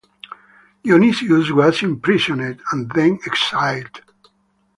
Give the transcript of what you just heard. Dionysius was imprisoned and then exiled.